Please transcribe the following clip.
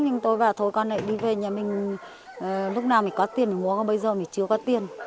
nhưng tôi bảo thôi con này đi về nhà mình lúc nào mình có tiền để uống bây giờ mình chưa có tiền